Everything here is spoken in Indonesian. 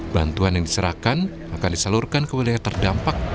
bantuan yang diserahkan akan disalurkan ke wilayah terdampak